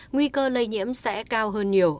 nguy cơ lây nhiễm sẽ cao hơn nhiều